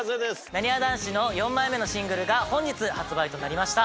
なにわ男子の４枚目のシングルが本日発売となりました。